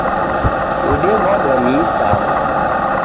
Odewadwa ni isama